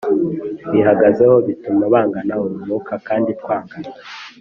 Bihagazeho bituma bangana urunuka kandi twangana